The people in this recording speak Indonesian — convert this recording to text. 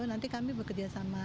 nanti kami bekerjasama